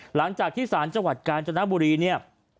หลังจากที่สารจังหวัดกาญจนบุรีเนี่ย